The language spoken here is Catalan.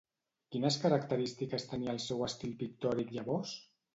Quines característiques tenia el seu estil pictòric llavors?